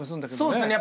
そうっすね。